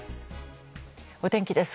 お天気です。